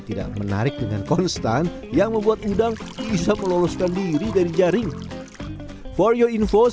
tidak menarik dengan konstan yang membuat udang bisa meloloskan diri dari jaring for your invost